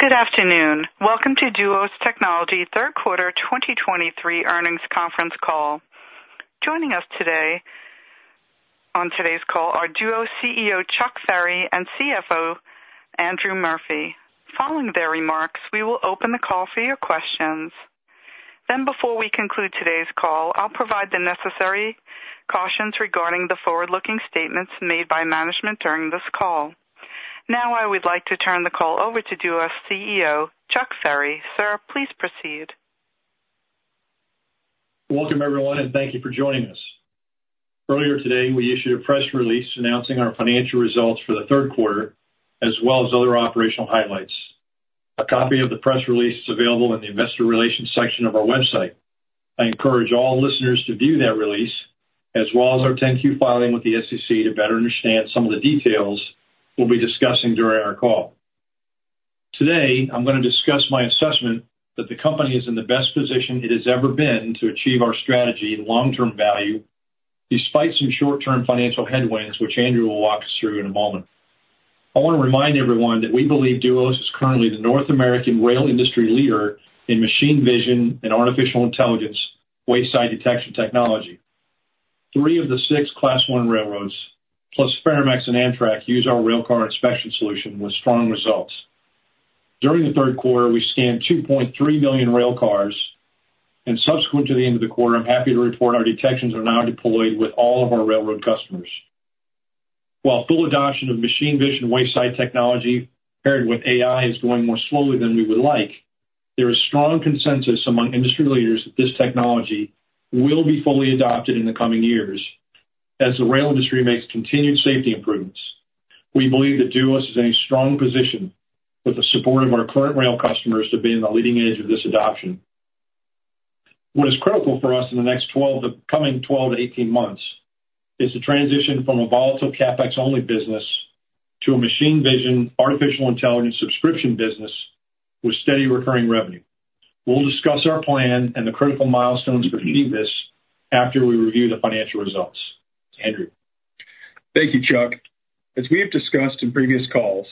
Good afternoon. Welcome to Duos Technologies third quarter 2023 earnings conference call. Joining us today, on today's call are Duos CEO Chuck Ferry and CFO Andrew Murphy. Following their remarks, we will open the call for your questions. Then before we conclude today's call, I'll provide the necessary cautions regarding the forward-looking statements made by management during this call. Now, I would like to turn the call over to Duos CEO Chuck Ferry. Sir, please proceed. Welcome, everyone, and thank you for joining us. Earlier today, we issued a press release announcing our financial results for the third quarter, as well as other operational highlights. A copy of the press release is available in the investor relations section of our website. I encourage all listeners to view that release, as well as our 10-Q filing with the SEC to better understand some of the details we'll be discussing during our call. Today, I'm gonna discuss my assessment that the company is in the best position it has ever been to achieve our strategy and long-term value, despite some short-term financial headwinds, which Andrew will walk us through in a moment. I wanna remind everyone that we believe Duos is currently the North American rail industry leader in machine vision and artificial intelligence wayside detection technology. Three of the six Class I railroads, plus Ferromex and Amtrak, use our railcar inspection solution with strong results. During the third quarter, we scanned 2.3 million railcars, and subsequent to the end of the quarter, I'm happy to report our detections are now deployed with all of our railroad customers. While full adoption of machine vision wayside technology, paired with AI, is going more slowly than we would like, there is strong consensus among industry leaders that this technology will be fully adopted in the coming years as the rail industry makes continued safety improvements. We believe that Duos is in a strong position with the support of our current rail customers to be on the leading edge of this adoption. What is critical for us in the coming 12-18 months is to transition from a volatile CapEx-only business to a Machine Vision, Artificial Intelligence, subscription business with steady recurring revenue. We'll discuss our plan and the critical milestones for achieving this after we review the financial results. Andrew? Thank you, Chuck. As we have discussed in previous calls,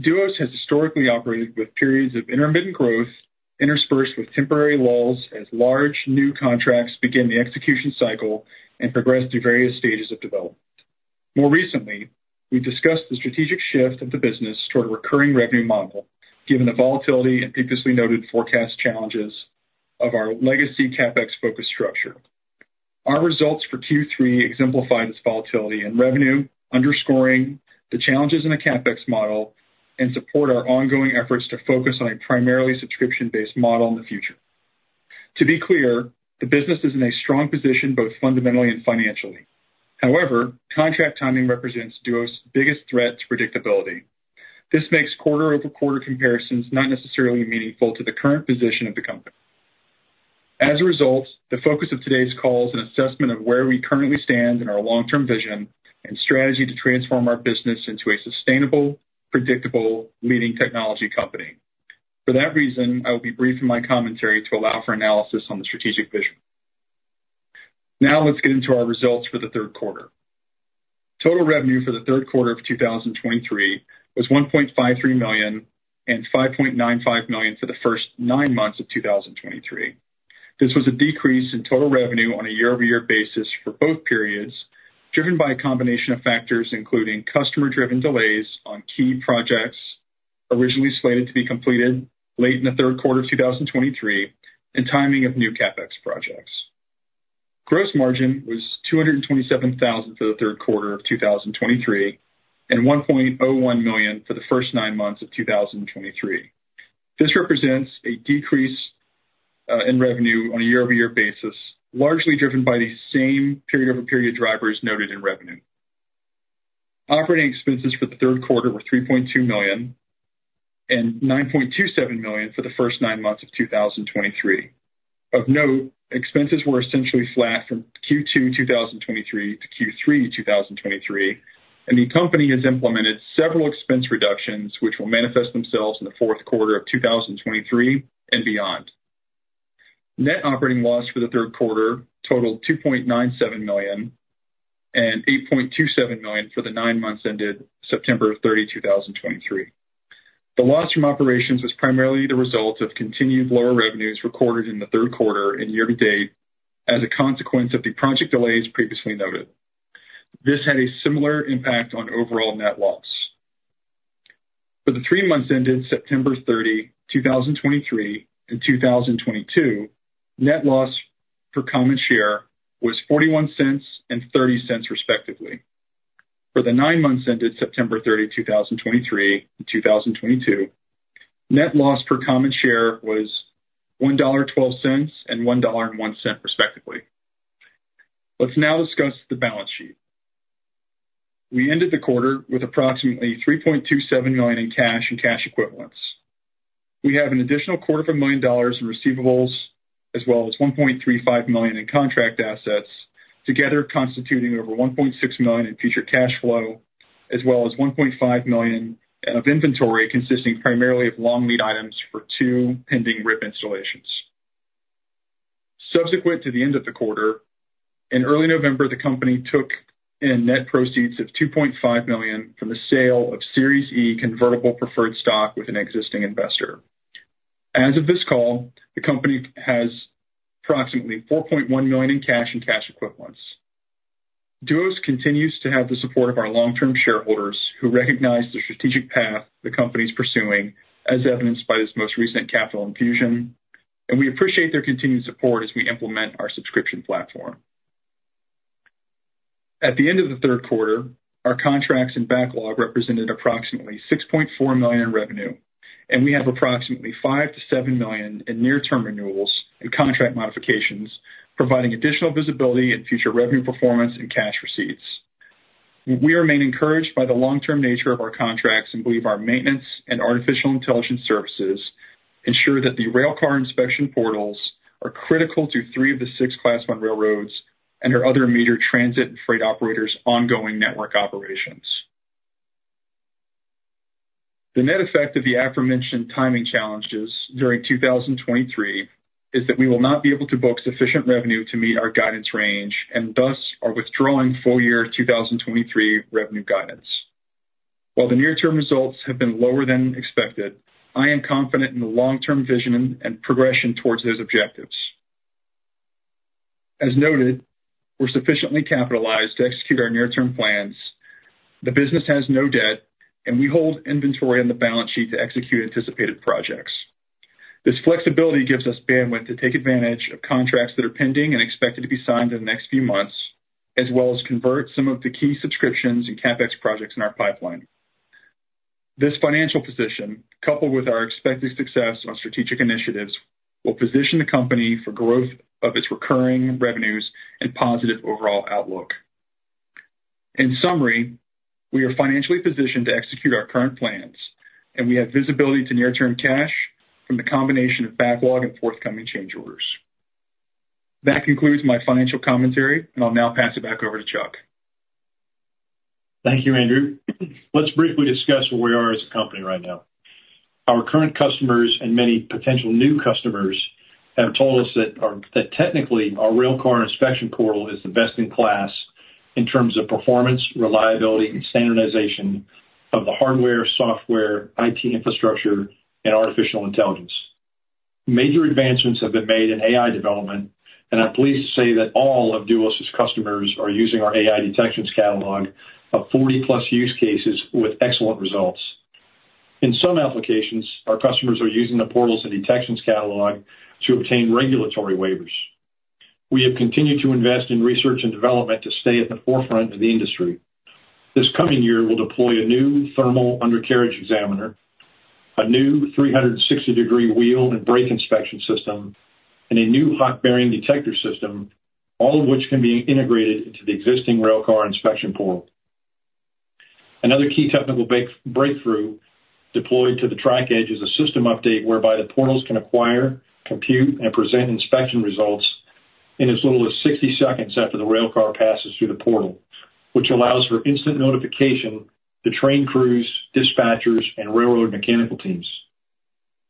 Duos has historically operated with periods of intermittent growth, interspersed with temporary lulls, as large new contracts begin the execution cycle and progress through various stages of development. More recently, we've discussed the strategic shift of the business toward a recurring revenue model, given the volatility and previously noted forecast challenges of our legacy CapEx-focused structure. Our results for Q3 exemplify this volatility in revenue, underscoring the challenges in the CapEx model, and support our ongoing efforts to focus on a primarily subscription-based model in the future. To be clear, the business is in a strong position, both fundamentally and financially. However, contract timing represents Duos' biggest threat to predictability. This makes quarter-over-quarter comparisons not necessarily meaningful to the current position of the company. As a result, the focus of today's call is an assessment of where we currently stand in our long-term vision and strategy to transform our business into a sustainable, predictable, leading technology company. For that reason, I will be brief in my commentary to allow for analysis on the strategic vision. Now, let's get into our results for the third quarter. Total revenue for the third quarter of 2023 was $1.53 million and $5.95 million for the first nine months of 2023. This was a decrease in total revenue on a year-over-year basis for both periods, driven by a combination of factors, including customer-driven delays on key projects originally slated to be completed late in the third quarter of 2023, and timing of new CapEx projects. Gross margin was $227,000 for the third quarter of 2023, and $1.01 million for the first nine months of 2023. This represents a decrease in revenue on a year-over-year basis, largely driven by the same period-over-period drivers noted in revenue. Operating expenses for the third quarter were $3.2 million and $9.27 million for the first nine months of 2023. Of note, expenses were essentially flat from Q2 2023 to Q3 2023, and the company has implemented several expense reductions, which will manifest themselves in the fourth quarter of 2023 and beyond. Net operating loss for the third quarter totaled $2.97 million and $8.27 million for the nine months ended September 30, 2023. The loss from operations was primarily the result of continued lower revenues recorded in the third quarter and year-to-date as a consequence of the project delays previously noted. This had a similar impact on overall net loss. For the three months ended September 30, 2023 and 2022, net loss per common share was $0.41 and $0.30, respectively. For the nine months ended September 30, 2023 and 2022, net loss per common share was $1.12 and $1.01, respectively. Let's now discuss the balance sheet. We ended the quarter with approximately $3.27 million in cash and cash equivalents. We have an additional $250,000 in receivables, as well as $1.35 million in contract assets, together constituting over $1.6 million in future cash flow, as well as $1.5 million of inventory, consisting primarily of long-lead items for two pending RIP installations.... Subsequent to the end of the quarter, in early November, the company took in net proceeds of $2.5 million from the sale of Series E Convertible Preferred Stock with an existing investor. As of this call, the company has approximately $4.1 million in cash and cash equivalents. Duos continues to have the support of our long-term shareholders, who recognize the strategic path the company is pursuing, as evidenced by this most recent capital infusion, and we appreciate their continued support as we implement our subscription platform. At the end of the third quarter, our contracts and backlog represented approximately $6.4 million in revenue, and we have approximately $5-$7 million in near-term renewals and contract modifications, providing additional visibility in future revenue performance and cash receipts. We remain encouraged by the long-term nature of our contracts and believe our maintenance and artificial intelligence services ensure that the Railcar Inspection Portals are critical to three of the six Class I railroads and our other major transit and freight operators ongoing network operations. The net effect of the aforementioned timing challenges during 2023 is that we will not be able to book sufficient revenue to meet our guidance range, and thus are withdrawing full year 2023 revenue guidance. While the near-term results have been lower than expected, I am confident in the long-term vision and progression towards those objectives. As noted, we're sufficiently capitalized to execute our near-term plans. The business has no debt, and we hold inventory on the balance sheet to execute anticipated projects. This flexibility gives us bandwidth to take advantage of contracts that are pending and expected to be signed in the next few months, as well as convert some of the key subscriptions and CapEx projects in our pipeline. This financial position, coupled with our expected success on strategic initiatives, will position the company for growth of its recurring revenues and positive overall outlook. In summary, we are financially positioned to execute our current plans, and we have visibility to near-term cash from the combination of backlog and forthcoming change orders. That concludes my financial commentary, and I'll now pass it back over to Chuck. Thank you, Andrew. Let's briefly discuss where we are as a company right now. Our current customers and many potential new customers have told us that our railcar inspection portal is the best-in-class in terms of performance, reliability, and standardization of the hardware, software, IT infrastructure, and artificial intelligence. Major advancements have been made in AI development, and I'm pleased to say that all of Duos's customers are using our AI detections catalog of 40-plus use cases with excellent results. In some applications, our customers are using the portals and detections catalog to obtain regulatory waivers. We have continued to invest in research and development to stay at the forefront of the industry. This coming year, we'll deploy a new Thermal Undercarriage Examiner, a new 360-degree wheel and brake inspection system, and a new Hot Bearing Detector system, all of which can be integrated into the existing Railcar Inspection Portal. Another key technical breakthrough deployed to the track edge is a system update whereby the portals can acquire, compute, and present inspection results in as little as 60 seconds after the railcar passes through the portal, which allows for instant notification to train crews, dispatchers, and railroad mechanical teams.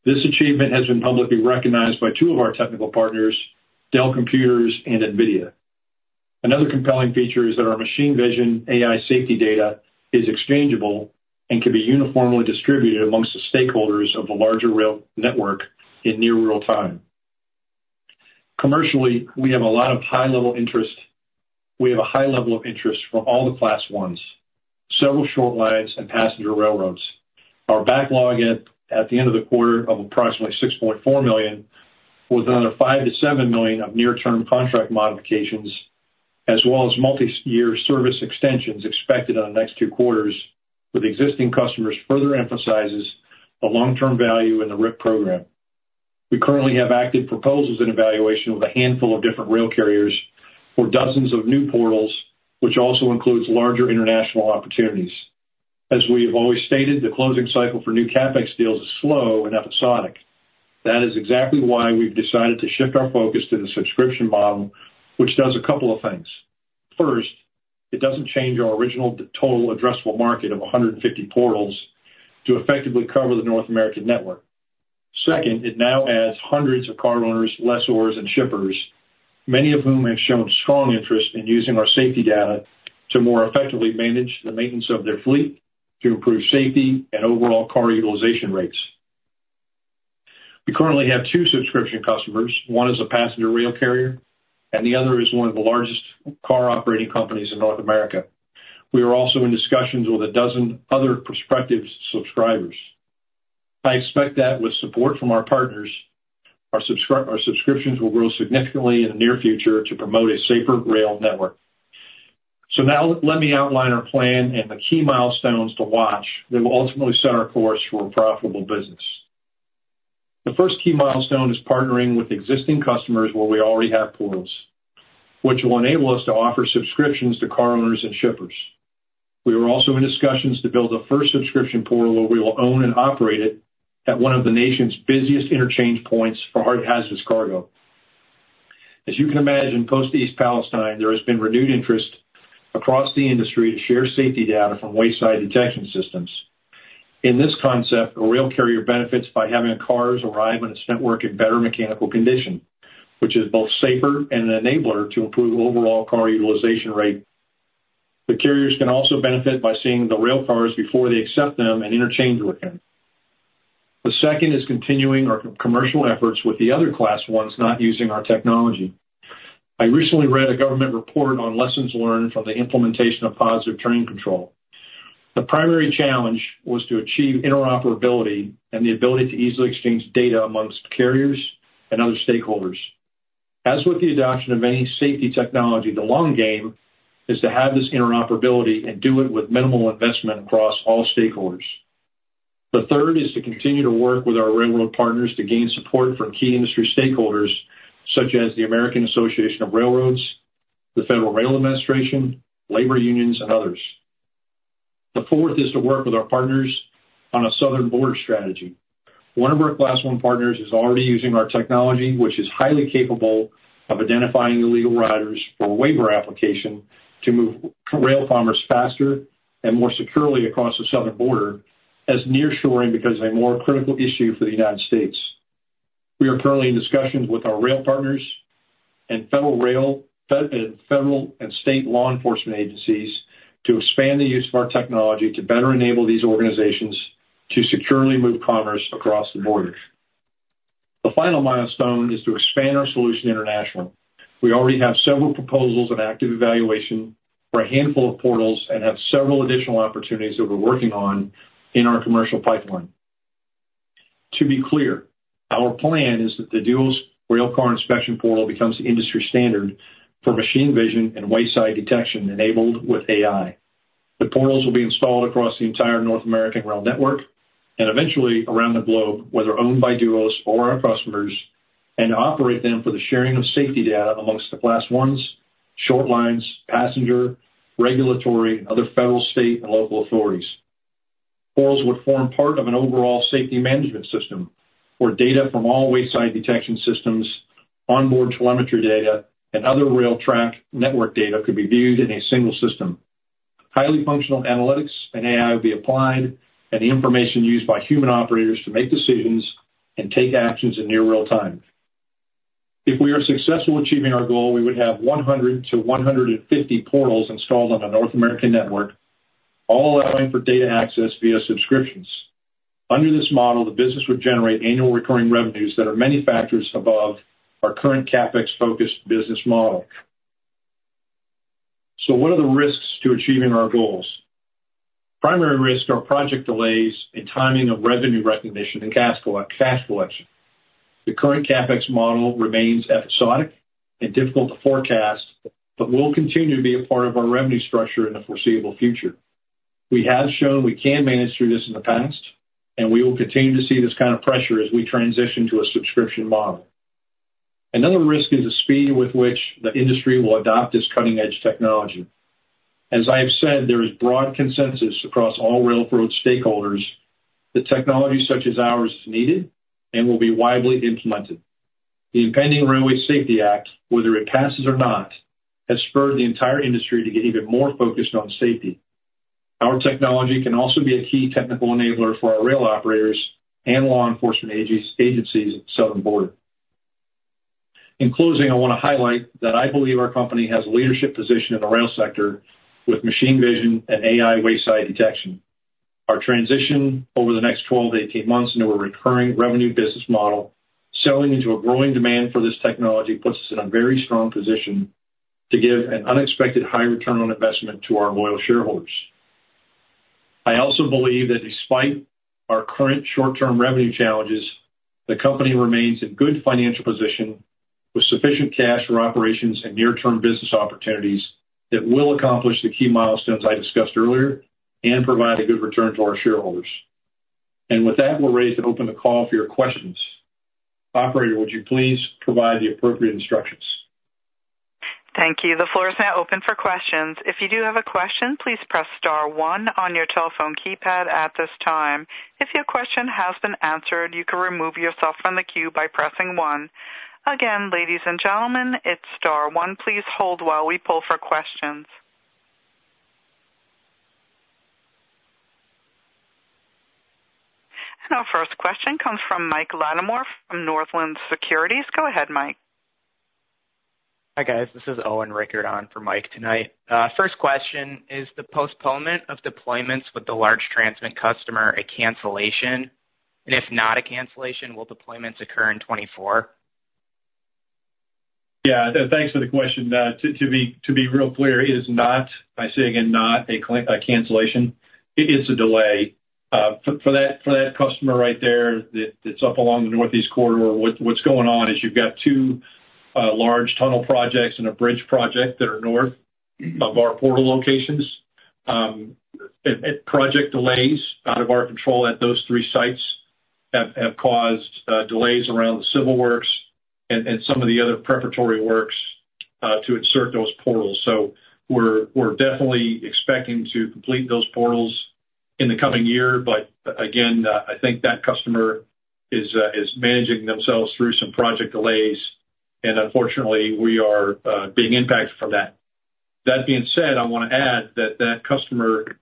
This achievement has been publicly recognized by two of our technical partners, Dell Computers and NVIDIA. Another compelling feature is that our machine vision AI safety data is exchangeable and can be uniformly distributed amongst the stakeholders of the larger rail network in near real time. Commercially, we have a lot of high-level interest, we have a high level of interest from all the Class I, several short lines and passenger railroads. Our backlog at the end of the quarter of approximately $6.4 million, with another $5-$7 million of near-term contract modifications, as well as multiyear service extensions expected on the next two quarters with existing customers, further emphasizes the long-term value in the RIP program. We currently have active proposals and evaluation with a handful of different rail carriers for dozens of new portals, which also includes larger international opportunities. As we have always stated, the closing cycle for new CapEx deals is slow and episodic. That is exactly why we've decided to shift our focus to the subscription model, which does a couple of things. First, it doesn't change our original total addressable market of 150 portals to effectively cover the North American network. Second, it now adds hundreds of car owners, lessors, and shippers, many of whom have shown strong interest in using our safety data to more effectively manage the maintenance of their fleet, to improve safety and overall car utilization rates. We currently have two subscription customers. One is a passenger rail carrier, and the other is one of the largest car operating companies in North America. We are also in discussions with a dozen other prospective subscribers. I expect that with support from our partners, our subscriptions will grow significantly in the near future to promote a safer rail network. So now let me outline our plan and the key milestones to watch that will ultimately set our course for a profitable business. The first key milestone is partnering with existing customers where we already have portals, which will enable us to offer subscriptions to car owners and shippers. We are also in discussions to build a first subscription portal, where we will own and operate it at one of the nation's busiest interchange points for hazardous cargo. As you can imagine, post East Palestine, there has been renewed interest across the industry to share safety data from wayside detection systems... In this concept, a rail carrier benefits by having cars arrive on its network in better mechanical condition, which is both safer and an enabler to improve overall car utilization rate. The carriers can also benefit by seeing the rail cars before they accept them and interchange with them. The second is continuing our commercial efforts with the other Class I's not using our technology. I recently read a government report on lessons learned from the implementation of Positive Train Control. The primary challenge was to achieve interoperability and the ability to easily exchange data among carriers and other stakeholders. As with the adoption of any safety technology, the long game is to have this interoperability and do it with minimal investment across all stakeholders. The third is to continue to work with our railroad partners to gain support from key industry stakeholders, such as the Association of American Railroads, the Federal Railroad Administration, labor unions, and others. The fourth is to work with our partners on a southern border strategy. One of our Class I partners is already using our technology, which is highly capable of identifying illegal riders for a waiver application to move rail commerce faster and more securely across the southern border, as nearshoring becomes a more critical issue for the United States. We are currently in discussions with our rail partners and federal rail and federal and state law enforcement agencies to expand the use of our technology to better enable these organizations to securely move commerce across the border. The final milestone is to expand our solution internationally. We already have several proposals and active evaluation for a handful of portals, and have several additional opportunities that we're working on in our commercial pipeline. To be clear, our plan is that the DUOS Railcar Inspection Portal becomes the industry standard for Machine Vision and Wayside Detection enabled with AI. The portals will be installed across the entire North American rail network, and eventually around the globe, whether owned by Duos or our customers, and operate them for the sharing of safety data amongst the Class I's, short lines, passenger, regulatory, other federal, state, and local authorities. Portals would form part of an overall safety management system, where data from all wayside detection systems, onboard telemetry data, and other rail track network data could be viewed in a single system. Highly functional analytics and AI would be applied, and the information used by human operators to make decisions and take actions in near real time. If we are successful in achieving our goal, we would have 100-150 portals installed on the North American network, all allowing for data access via subscriptions. Under this model, the business would generate annual recurring revenues that are many factors above our current CapEx-focused business model. So what are the risks to achieving our goals? Primary risks are project delays and timing of revenue recognition and cash collection. The current CapEx model remains episodic and difficult to forecast, but will continue to be a part of our revenue structure in the foreseeable future. We have shown we can manage through this in the past, and we will continue to see this kind of pressure as we transition to a subscription model. Another risk is the speed with which the industry will adopt this cutting-edge technology. As I have said, there is broad consensus across all railroad stakeholders that technology such as ours is needed and will be widely implemented. The impending Railway Safety Act, whether it passes or not, has spurred the entire industry to get even more focused on safety. Our technology can also be a key technical enabler for our rail operators and law enforcement agencies at the southern border. In closing, I want to highlight that I believe our company has a leadership position in the rail sector with machine vision and AI wayside detection. Our transition over the next 12-18 months into a recurring revenue business model, selling into a growing demand for this technology, puts us in a very strong position to give an unexpected high return on investment to our loyal shareholders. I also believe that despite our current short-term revenue challenges, the company remains in good financial position with sufficient cash for operations and near-term business opportunities that will accomplish the key milestones I discussed earlier and provide a good return to our shareholders. With that, we're ready to open the call for your questions. Operator, would you please provide the appropriate instructions? Thank you. The floor is now open for questions. If you do have a question, please press star one on your telephone keypad at this time. If your question has been answered, you can remove yourself from the queue by pressing one. Again, ladies and gentlemen, it's star one. Please hold while we poll for questions. Our first question comes from Mike Latimore from Northland Securities. Go ahead, Mike. Hi, guys. This is Owen Rickert on for Mike tonight. First question, is the postponement of deployments with the large transit customer a cancellation? And if not a cancellation, will deployments occur in 2024? Yeah, thanks for the question. To be real clear, it is not, I say again, not a cancellation. It is a delay. For that customer right there, that's up along the Northeast Corridor, what's going on is you've got two large tunnel projects and a bridge project that are north of our portal locations. And project delays out of our control at those three sites have caused delays around the civil works and some of the other preparatory works to insert those portals. So we're definitely expecting to complete those portals in the coming year. But again, I think that customer is managing themselves through some project delays, and unfortunately, we are being impacted from that. That being said, I want to add that that customer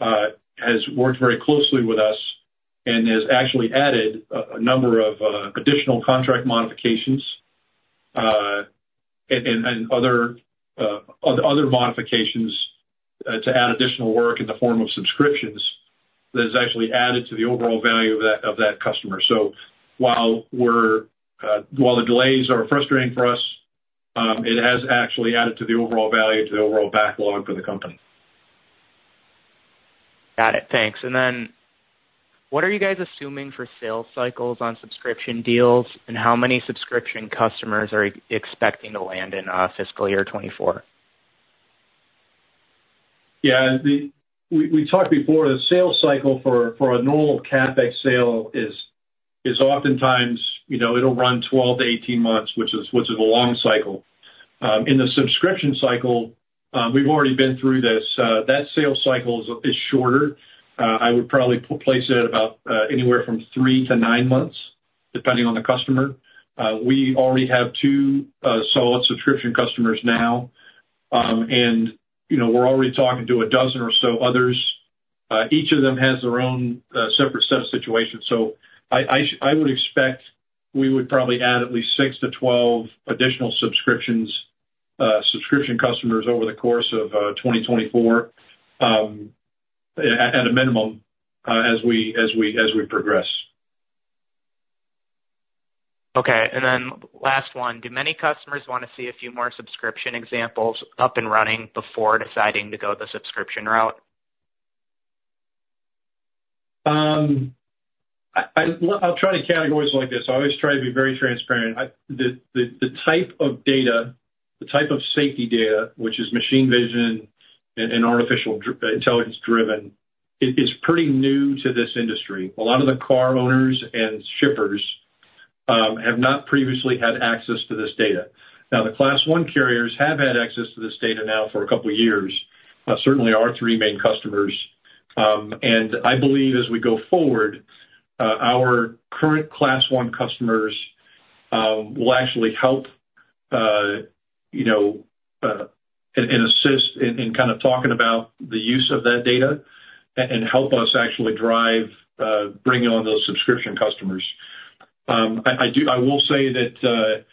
has worked very closely with us and has actually added a number of additional contract modifications and other modifications to add additional work in the form of subscriptions, that has actually added to the overall value of that customer. So while the delays are frustrating for us, it has actually added to the overall value, to the overall backlog for the company. Got it, thanks. And then, what are you guys assuming for sales cycles on subscription deals, and how many subscription customers are expecting to land in fiscal year 2024? Yeah, we talked before, the sales cycle for a normal CapEx sale is oftentimes, you know, it'll run 12-18 months, which is a long cycle. In the subscription cycle, we've already been through this, that sales cycle is shorter. I would probably place it at about anywhere from 3-9 months, depending on the customer. We already have two solid subscription customers now, and, you know, we're already talking to a dozen or so others. Each of them has their own separate set of situations. So I would expect we would probably add at least 6-12 additional subscriptions, subscription customers over the course of 2024, at a minimum, as we progress. Okay. And then last one: Do many customers want to see a few more subscription examples up and running before deciding to go the subscription route? I'll try to categorize it like this. I always try to be very transparent. The type of data, the type of safety data, which is Machine Vision and Artificial Intelligence driven, is pretty new to this industry. A lot of the car owners and shippers have not previously had access to this data. Now, the Class One carriers have had access to this data now for a couple of years, certainly our three main customers. And I believe as we go forward, our current Class One customers will actually help, you know, and assist in kind of talking about the use of that data and help us actually drive bringing on those subscription customers. I will say that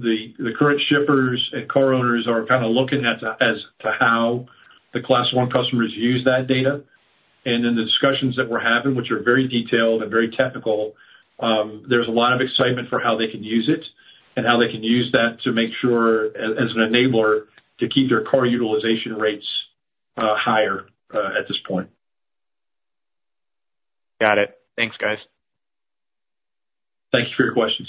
the current shippers and car owners are kind of looking at as to how the Class One customers use that data. And in the discussions that we're having, which are very detailed and very technical, there's a lot of excitement for how they can use it, and how they can use that to make sure, as an enabler, to keep their car utilization rates higher at this point. Got it. Thanks, guys. Thank you for your questions.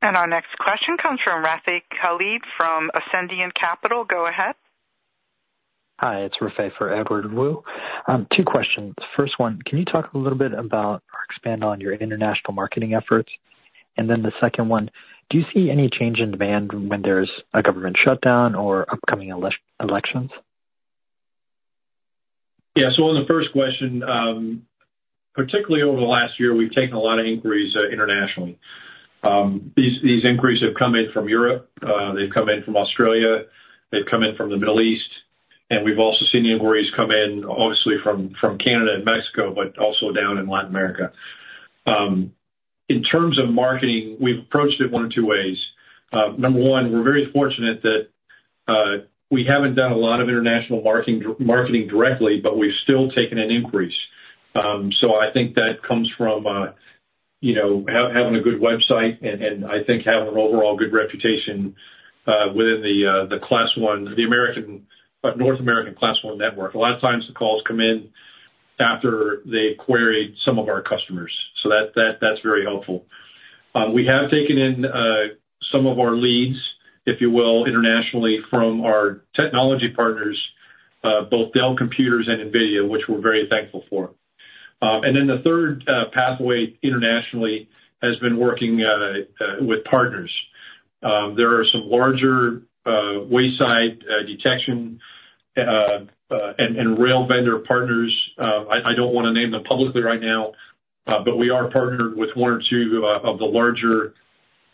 Our next question comes from Rafay Khalid from Ascendiant Capital. Go ahead. Hi, it's Rafay for Edward Woo. Two questions. First one, can you talk a little bit about or expand on your international marketing efforts? And then the second one, do you see any change in demand when there's a government shutdown or upcoming elections? Yeah. So on the first question, particularly over the last year, we've taken a lot of inquiries internationally. These inquiries have come in from Europe, they've come in from Australia, they've come in from the Middle East, and we've also seen the inquiries come in, obviously from Canada and Mexico, but also down in Latin America. In terms of marketing, we've approached it one of two ways. Number one, we're very fortunate that we haven't done a lot of international marketing directly, but we've still taken an increase. So I think that comes from, you know, having a good website and I think having an overall good reputation within the Class I, the American, North American Class I network. A lot of times the calls come in after they queried some of our customers, so that's very helpful. We have taken in some of our leads, if you will, internationally from our technology partners, both Dell Computers and NVIDIA, which we're very thankful for. And then the third pathway internationally has been working with partners. There are some larger wayside detection and rail vendor partners. I don't want to name them publicly right now, but we are partnered with one or two of the larger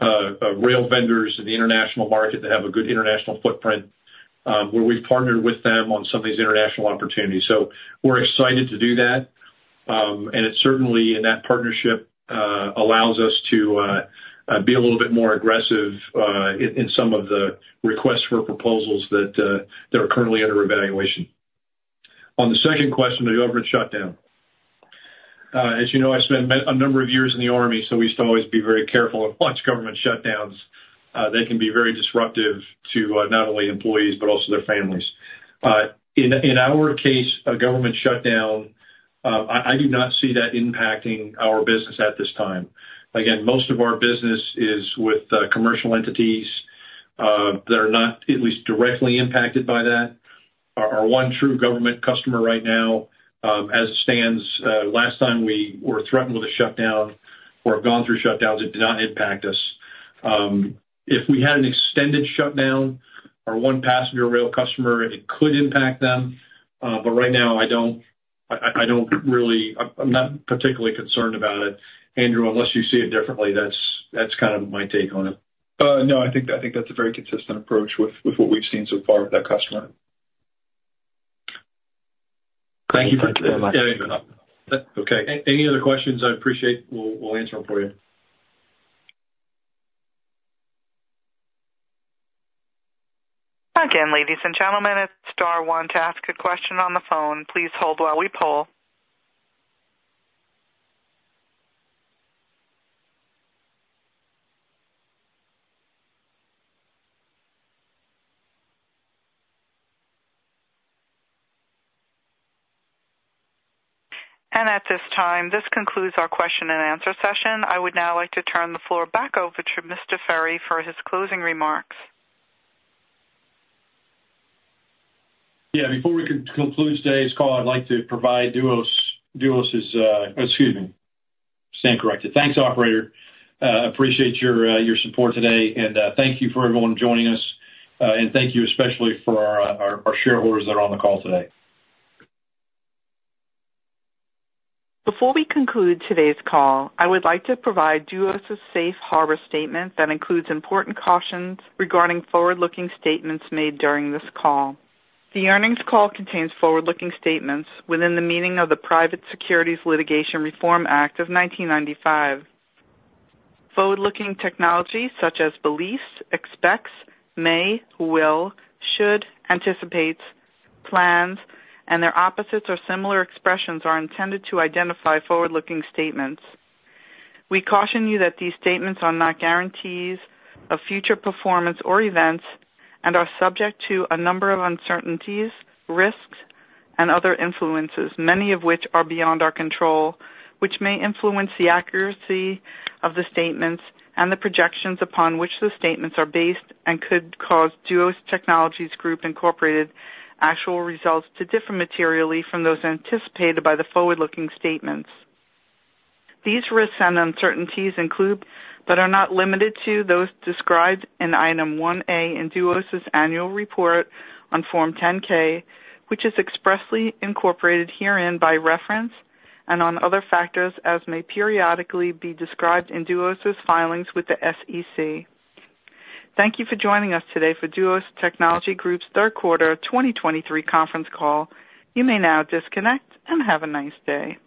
rail vendors in the international market that have a good international footprint, where we've partnered with them on some of these international opportunities. So we're excited to do that, and it certainly and that partnership allows us to be a little bit more aggressive in some of the requests for proposals that are currently under evaluation. On the second question, the government shutdown. As you know, I spent a number of years in the Army, so we used to always be very careful and watch government shutdowns. They can be very disruptive to not only employees, but also their families. In our case, a government shutdown, I do not see that impacting our business at this time. Again, most of our business is with commercial entities that are not at least directly impacted by that. Our one true government customer right now, as it stands, last time we were threatened with a shutdown or have gone through shutdowns, it did not impact us. If we had an extended shutdown, our one passenger rail customer, it could impact them, but right now I don't really. I'm not particularly concerned about it, Andrew, unless you see it differently. That's kind of my take on it. No, I think, I think that's a very consistent approach with, with what we've seen so far with that customer. Thank you very much. Yeah, okay. Any other questions? I appreciate, we'll, we'll answer them for you. Again, ladies and gentlemen, hit star one to ask a question on the phone. Please hold while we poll. At this time, this concludes our question and answer session. I would now like to turn the floor back over to Mr. Ferry for his closing remarks. Yeah, before we conclude today's call, I'd like to provide Duos's, excuse me. Stand corrected. Thanks, operator. Appreciate your support today, and thank you for everyone joining us, and thank you especially for our shareholders that are on the call today. Before we conclude today's call, I would like to provide Duos' safe harbor statement that includes important cautions regarding forward-looking statements made during this call. The earnings call contains forward-looking statements within the meaning of the Private Securities Litigation Reform Act of 1995. Forward-looking terminology, such as believes, expects, may, will, should, anticipates, plans, and their opposites or similar expressions are intended to identify forward-looking statements. We caution you that these statements are not guarantees of future performance or events and are subject to a number of uncertainties, risks, and other influences, many of which are beyond our control, which may influence the accuracy of the statements and the projections upon which the statements are based and could cause Duos Technologies Group, Inc. actual results to differ materially from those anticipated by the forward-looking statements. These risks and uncertainties include, but are not limited to, those described in Item 1A in Duos's annual report on Form 10-K, which is expressly incorporated herein by reference and on other factors as may periodically be described in Duos's filings with the SEC. Thank you for joining us today for Duos Technologies Group's third quarter of 2023 conference call. You may now disconnect and have a nice day.